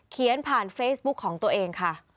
เขียนผ่านเฟซบุ๊คของตัวเองค่ะ